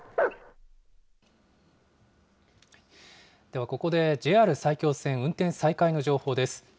ではここで、ＪＲ埼京線、運転再開の情報です。